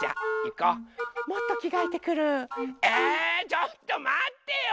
ちょっとまってよ！